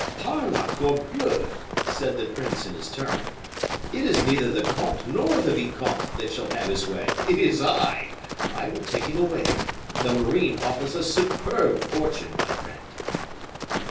"Par la corbleu!" said the prince in his turn, "it is neither the comte nor the vicomte that shall have his way, it is I. I will take him away. The marine offers a superb fortune, my friend."